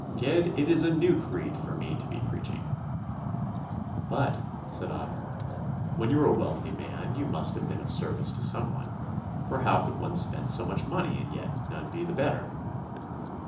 Ged, it is a new creed for me to be preaching!' 'But,' said I, 'when you were a wealthy man you must have been of service to some one, for how could one spend so much money and yet none be the better?